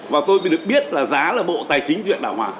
và tôi mới được biết là giá là bộ tài chính duyện đảo hòa